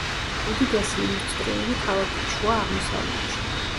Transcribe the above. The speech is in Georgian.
უდიდესი ინდუსტრიული ქალაქი შუა აღმოსავლეთში.